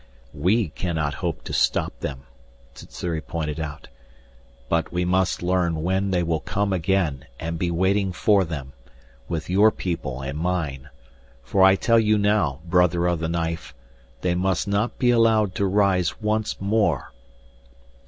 "We cannot hope to stop them," Sssuri pointed out. "But we must learn when they will come again and be waiting for them with your people and mine. For I tell you now, brother of the knife, they must not be allowed to rise once more!"